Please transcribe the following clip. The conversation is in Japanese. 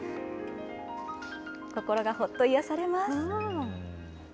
心がほっと癒やされます。